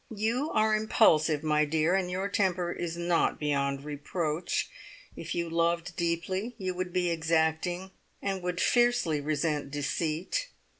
You are impulsive, my dear, and your temper is not beyond reproach. If you loved deeply you would be exacting, and would fiercely resent deceit.